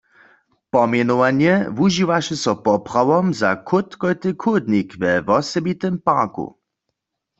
Pomjenowanje wužiwaše so poprawom za chłódkojty chódnik we wosebitym parku.